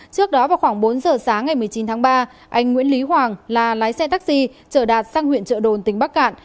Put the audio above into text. trước đó vào khoảng bốn giờ sáng ngày một mươi chín tháng ba anh nguyễn lý hoàng là lái xe taxi trở đạt sang huyện trợ đồn tỉnh bắc cạn